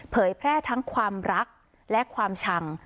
แพร่ทั้งความรักและความชัง